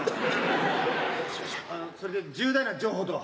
それで重大な情報とは？